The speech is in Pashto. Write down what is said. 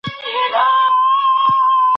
د افغانستان غرفه تل له خلکو ډکه وي.